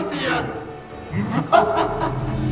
ウハハハハ！